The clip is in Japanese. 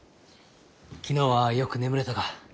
昨日はよく眠れたか？